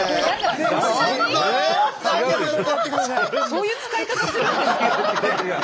そういう使い方するんですか？